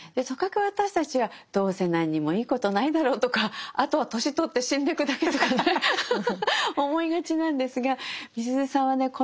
とかく私たちはどうせ何にもいいことないだろうとかあとは年取って死んでくだけとかね思いがちなんですがみすゞさんはね